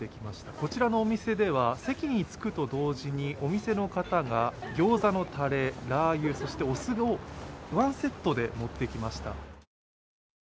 こちらの店では、席に着くと同時に、お店の方が餃子のたれ、そしてラー油、お酢をワンセットで持ってきました。